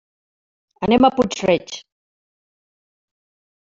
Anem a Puig-reig.